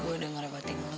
gue udah ngerepotin dulu